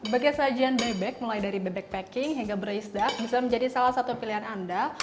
bagian sajian bebek mulai dari bebek packing hingga brace duck bisa menjadi salah satu pilihan anda